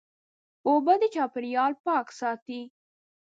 اوبه د چاپېریال پاک ساتي.